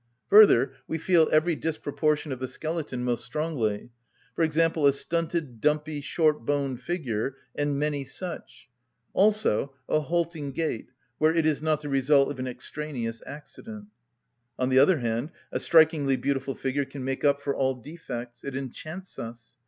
Further, we feel every disproportion of the skeleton most strongly; for example, a stunted, dumpy, short‐boned figure, and many such; also a halting gait, where it is not the result of an extraneous accident. On the other hand, a strikingly beautiful figure can make up for all defects: it enchants us.